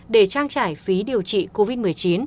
để trang trải phí điều trị covid một mươi chín